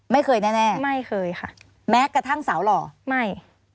ไม่เคยแน่ไม่เคยค่ะแม้กระทั่งสาวหล่อไม่